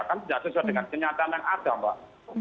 kan tidak sesuai dengan kenyataan yang ada mbak